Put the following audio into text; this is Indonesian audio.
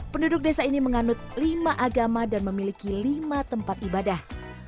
penduduk desa ini menganut lima agama dan memiliki lima tempat ibadah